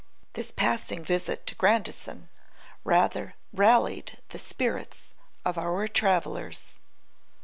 This passing visit to Grandison rather rallied the spirits of our travellers.